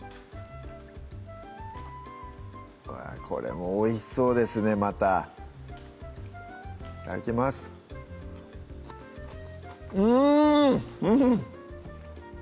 これもおいしそうですねまたいただきますうんうん！